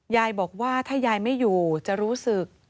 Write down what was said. ยายบอกว่าถ้ายายไม่อยู่จะรู้สึก